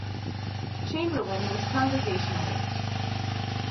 Chamberlain was Congregationalist.